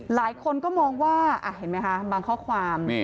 หลายคนก็มองว่าเห็นไหมคะบางข้อความ